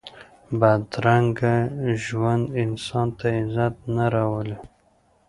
بدرنګه ژوند انسان ته عزت نه راولي